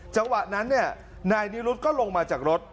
จังหวะนั้นนายนิรุธก็ลงมาจากรถ